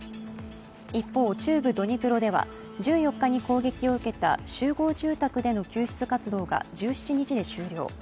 一方、中部ドニプロでは１４日に攻撃を受けた集合住宅での救出活動が１７日で終了。